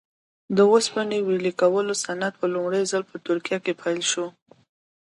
د اوسپنې ویلې کولو صنعت په لومړي ځل په ترکیه کې پیل شو.